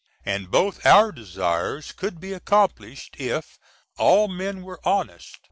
And both our desires could be accomplished if all men were honest.